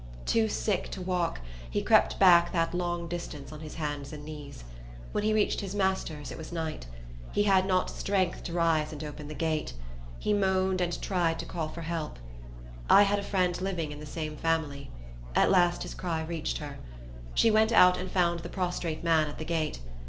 Too sick to walk, he crept back that long distance on his hands and knees. When he reached his master's, it was night. He had not strength to rise and open the gate. He moaned, and tried to call for help. I had a friend living in the same family. At last his cry reached her. She went out and found the prostrate man at the gate.